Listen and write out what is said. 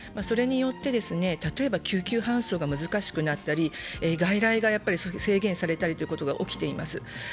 それによって例えば救急搬送が難しくなったり、外来が制限されたりということが起きています。